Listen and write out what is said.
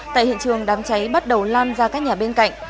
tại hiện trường đám cháy bắt đầu lan ra các nhà bên cạnh